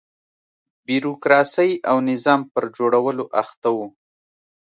بیروکراسۍ او نظام پر جوړولو اخته و.